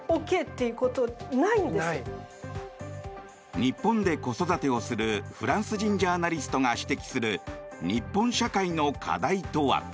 日本で子育てをするフランス人ジャーナリストが指摘する日本社会の課題とは。